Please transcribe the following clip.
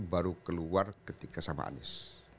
baru keluar ketika sama anies